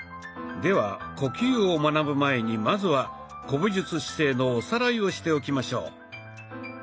では呼吸を学ぶ前にまずは古武術姿勢のおさらいをしておきましょう。